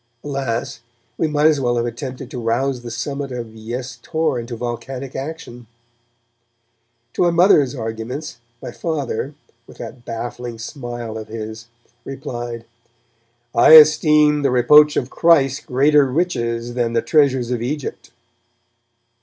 Alas! we might as well have attempted to rouse the summit of Yes Tor into volcanic action. To my mother's arguments, my Father with that baffling smile of his replied: 'I esteem the reproach of Christ greater riches than the treasures of Egypt!'